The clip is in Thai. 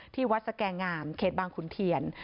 ที่วัดสแก่งามเขตบางขุนเทียน